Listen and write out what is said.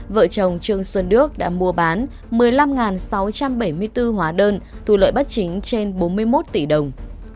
vợ chồng trương xuân đức đã mua bán một mươi năm sáu trăm bảy mươi bốn hóa đơn thu lợi bất chính trên bốn mươi một tỷ đồng